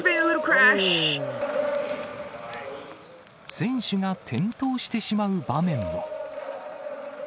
選手が転倒してしまう場面も。